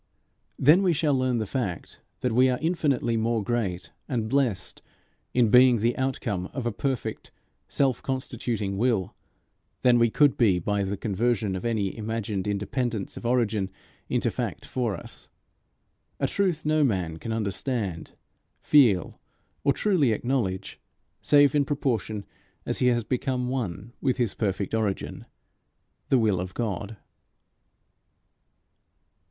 Then we shall learn the fact that we are infinitely more great and blessed in being the outcome of a perfect self constituting will, than we could be by the conversion of any imagined independence of origin into fact for us a truth no man can understand, feel, or truly acknowledge, save in proportion as he has become one with his perfect origin, the will of God.